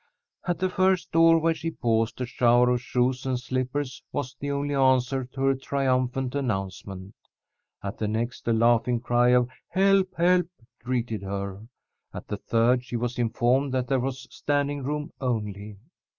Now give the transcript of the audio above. At the first door where she paused, a shower of shoes and slippers was the only answer to her triumphant announcement. At the next a laughing cry of "Help! help!" greeted her. At the third she was informed that there was standing room only.